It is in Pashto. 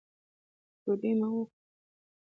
ډوډۍ مو وخوړه.